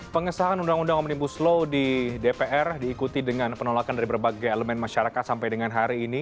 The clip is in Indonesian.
pengesahan undang undang omnibus law di dpr diikuti dengan penolakan dari berbagai elemen masyarakat sampai dengan hari ini